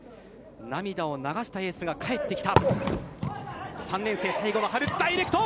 涙を流したエースが帰ってきた。